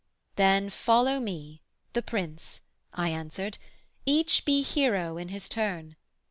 'Then follow me, the Prince,' I answered, 'each be hero in his turn!